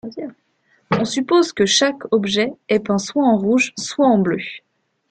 On suppose que chaque objet est peint soit en rouge, soit en bleu.